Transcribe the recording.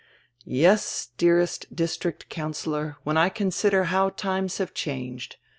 "Yes, dearest district councillor, when I consider how times have changed!